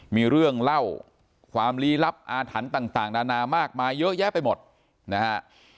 มีเรื่องเล่าความลี้ลับอาถรรพ์ต่างนานามากมายเยอะแยะไปหมดนะฮะ